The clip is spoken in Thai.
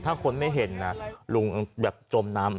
ถ้าคนไม่เห็นนะลุงแบบจมน้ำ